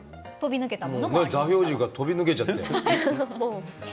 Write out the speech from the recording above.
座標軸が飛び抜けちゃった。